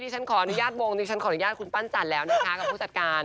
ฉันขออนุญาตวงคือขออนุญาตครับกับคุณปั่นจันแล้วนะคะ